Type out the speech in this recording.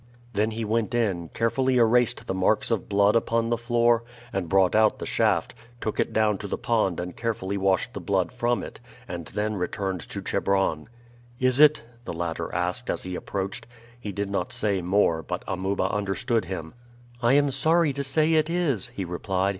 Then he went in, carefully erased the marks of blood upon the floor, and brought out the shaft, took it down to the pond and carefully washed the blood from it, and then returned to Chebron. "Is it " the latter asked as he approached. He did not say more, but Amuba understood him. "I am sorry to say it is," he replied.